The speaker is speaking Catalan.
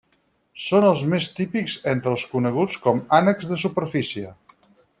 Són els més típics entre els coneguts com ànecs de superfície.